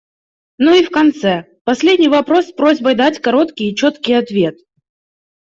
Ну и в конце - последний вопрос с просьбой дать короткий и четкий ответ.